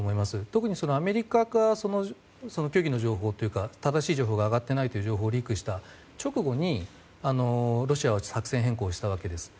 特にアメリカが正しい方法が上がってないという情報をリークした直後にロシアは作戦変更したわけです。